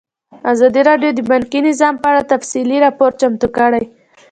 ازادي راډیو د بانکي نظام په اړه تفصیلي راپور چمتو کړی.